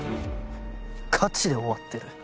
ガチで終わってる。